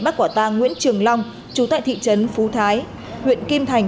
bác quả tàng nguyễn trường long chú tại thị trấn phú thái huyện kim thành